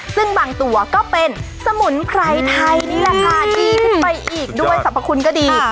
ซึ่งบางตัวก็เป็นสมุนไพรไทยนี่แหละค่ะดีขึ้นไปอีกด้วยสรรพคุณก็ดี